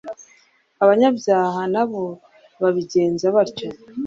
abanyabyaha na bo babigenza batyo